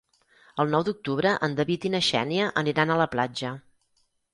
El nou d'octubre en David i na Xènia aniran a la platja.